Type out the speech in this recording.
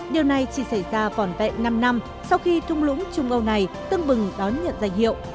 điều này chỉ xảy ra vòn vẹn năm năm sau khi thung lũng trung âu này tưng bừng đón nhận danh hiệu